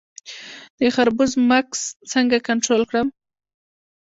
د خربوزو مګس څنګه کنټرول کړم؟